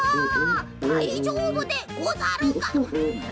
「だいじょうぶでござるか？」。